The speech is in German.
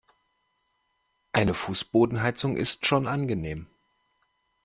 Eine Fußbodenheizung ist schon angenehm.